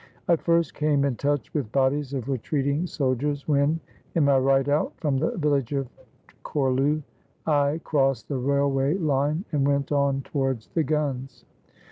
I first came in touch with bodies of retreating soldiers when, in my ride out from the village of Chorlu, I crossed the railway line and went on towards the guns.